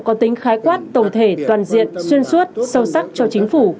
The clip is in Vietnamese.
có tính khái quát tổng thể toàn diện xuyên suốt sâu sắc cho chính phủ